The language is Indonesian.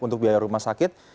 untuk biaya rumah sakit